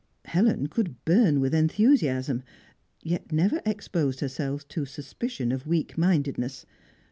Helen could burn with enthusiasm, yet never exposed herself to suspicion of weak mindedness.